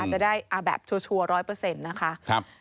จะได้แบบชัวร์๑๐๐นะคะ